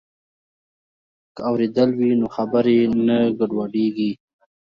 که اورېدل وي نو خبرې نه ګډوډیږي.